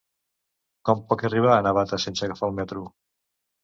Com puc arribar a Navata sense agafar el metro?